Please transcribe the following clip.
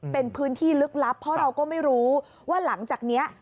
เป็นพื้นที่ลึกลับเพราะเราก็ไม่รู้ว่าหลังจากนี้